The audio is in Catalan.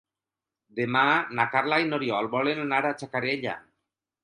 Demà na Carla i n'Oriol volen anar a Xacarella.